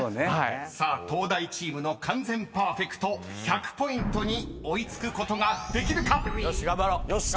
［さあ東大チームの完全パーフェクト１００ポイントに追い付くことができるか⁉］よしっ頑張ろう。